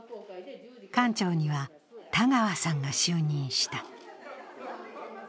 館長には田川さんが就任した。